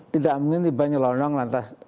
tidak mengintip banyak orang lantas